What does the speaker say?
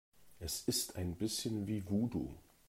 Es ist ein bisschen wie Voodoo.